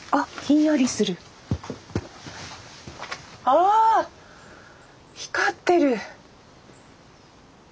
ああ光ってる！